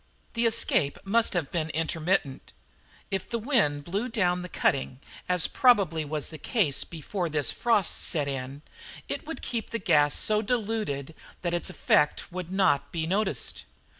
"The escape must have been intermittent. If wind blew down the cutting, as probably was the case before this frost set in, it would keep the gas so diluted that its effects would not be noticed.